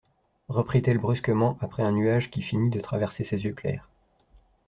Reprit-elle brusquement, après un nuage qui finit de traverser ses yeux clairs.